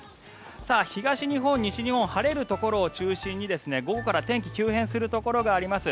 東日本、西日本晴れるところを中心に午後から天気急変するところがあります。